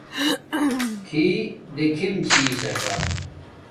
تھی دیکھم چھی ساکا